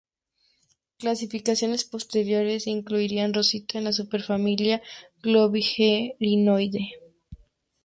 Clasificaciones posteriores incluirían "Rosita" en la Superfamilia Globigerinoidea.